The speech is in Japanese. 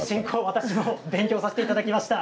私も勉強させていただきました。